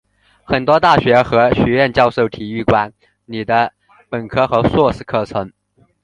很多大学和学院教授体育管理的本科和硕士课程。